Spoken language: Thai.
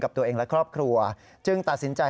กับตัวเองและครอบครัวจึงตัดสินใจ